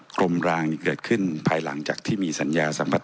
กรมรางเกิดขึ้นภายหลังจากที่มีสัญญาสัมผัส